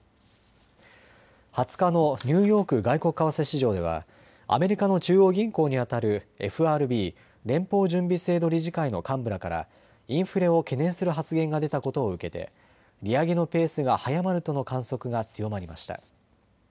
２０日のニューヨーク外国為替市場ではアメリカの中央銀行にあたるＦＲＢ・連邦準備制度理事会の幹部らからインフレを懸念する発言が出たことを受けて利上げのペースが速まるとの観測が強まりました。